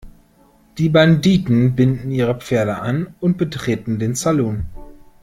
Die Banditen binden ihre Pferde an und betreten den Salon.